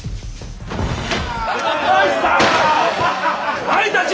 お前たち！